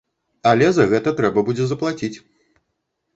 Але за гэта трэба будзе заплаціць.